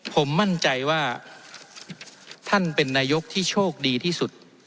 ผมมั่นใจว่าท่านเป็นนายกที่โชคดีที่สุด